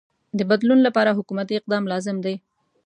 د بدلون لپاره حکومتی اقدام لازم دی.